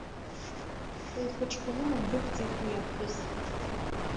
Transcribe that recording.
Лхәыҷқәа лыман дықәҵит уи аԥҳәыс.